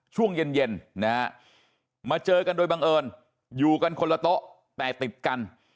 ช่วงเย็นนะฮะมาเจอกันโดยบังเอิญอยู่กันคนละโต๊ะแต่ติดกัน